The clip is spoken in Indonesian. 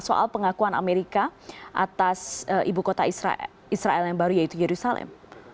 soal pengakuan amerika atas ibu kota israel yang baru yaitu yerusalem